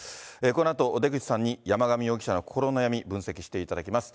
このあと、出口さんに山上容疑者の心の闇、分析していただきます。